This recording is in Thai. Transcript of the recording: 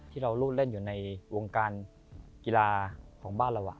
ที่เราเล่นอยู่ในวงการกีฬาของบ้านเรา